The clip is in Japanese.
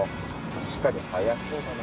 確かに早そうだな。